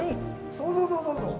そうそうそうそうそう。